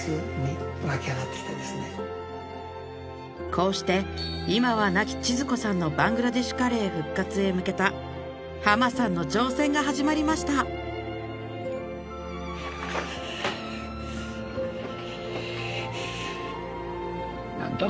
こうして今は亡き千鶴子さんのバングラデシュカレー復活へ向けた濱さんの挑戦が始まりました何だ？